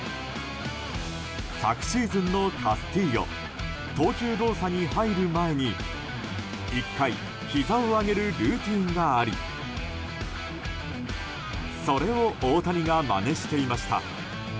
昨シーズンのカスティーヨ投球動作に入る前に１回、ひざを上げるルーティンがありそれを大谷がまねしていました。